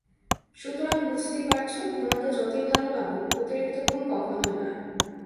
সুতরাং বুঝতেই পারছ, ঘুমাতে যতই ভালো লাগুক, অতিরিক্ত ঘুম কখনোই নয়।